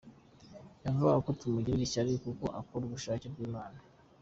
Yavugaga ko tumugirira ishyari kuko akora ubushake bw’Imana.